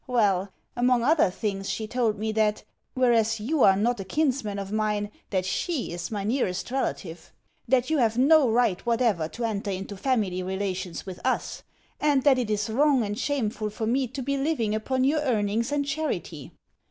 Well, among other things she told me that, whereas you are not a kinsman of mine, that she is my nearest relative; that you have no right whatever to enter into family relations with us; and that it is wrong and shameful for me to be living upon your earnings and charity.